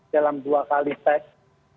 dalam dua kali test